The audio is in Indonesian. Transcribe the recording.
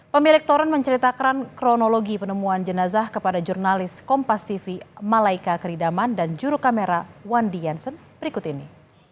pemilik toran menceritakan kronologi penemuan jenazah kepada jurnalis kompas tv malaika keridaman dan juru kamera wandi jansen berikut ini